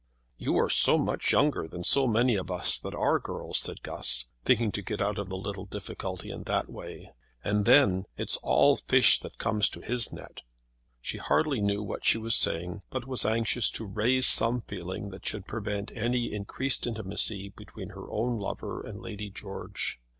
"You are so much younger than so many of us that are girls," said Guss, thinking to get out of the little difficulty in that way. "And then it's all fish that comes to his net." She hardly knew what she was saying, but was anxious to raise some feeling that should prevent any increased intimacy between her own lover and Lady George.